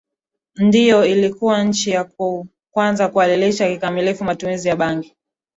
ndiyo ilikuwa nchi ya kwanza kuhalalisha kikamilifu matumizi ya bangi